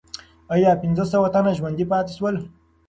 آیا پنځه سوه تنه ژوندي پاتې سول؟